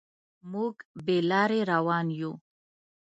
موږ بې لارې روان یو.